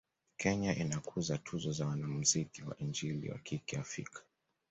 Kenya inakuza tuzo za wanamzuki wa injili wa kike Afika